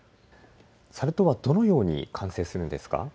サル痘はどのように感染するんですか。